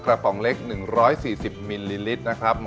ปองเล็ก๑๔๐มิลลิลิตรนะครับ